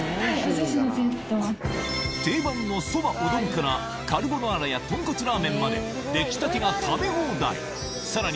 定番のそばうどんからカルボナーラやとんこつラーメンまで出来たてが食べ放題さらに